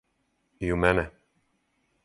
И у мене.